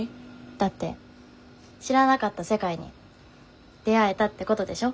だって知らなかった世界に出会えたってことでしょ。